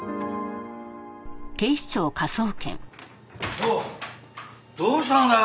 おおどうしたんだよ？